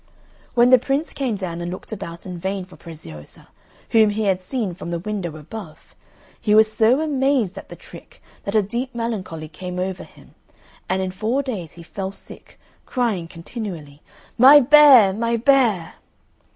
When the Prince came down and looked about in vain for Preziosa, whom he had seen from the window above, he was so amazed at the trick that a deep melancholy came over him, and in four days he fell sick, crying continually, "My bear, my bear!"